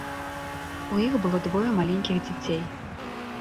У іх было двое маленькіх дзяцей.